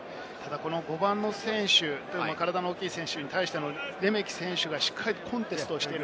この５番の選手、体の大きい選手に対してのレメキ選手がしっかりコンテストしている。